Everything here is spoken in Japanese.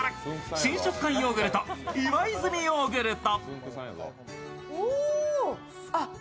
新食感ヨーグルト、岩泉ヨーグルト